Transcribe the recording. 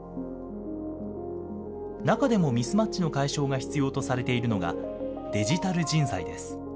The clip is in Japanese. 中でもミスマッチの解消が必要とされているのが、デジタル人材です。